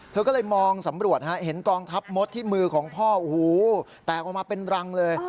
เธอก็เลยมองสำรวจเห็นกองทัพมดที่มือของพ่อโอ้โหแตกออกมาเป็นรังเลย